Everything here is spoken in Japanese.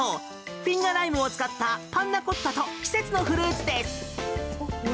フィンガーライムを使ったパンナコッタと季節のフルーツです。